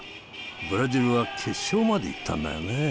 ブラジルは決勝までいったんだよね。